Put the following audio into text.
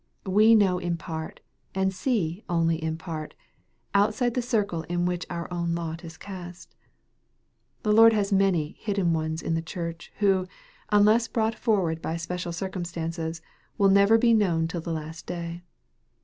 We know in part and see only in part, outside the circle in which our own lot is cast. The Lord has many " hidden ones" in the Church, who, unless brought forward by special circumstances will never be known till the last day.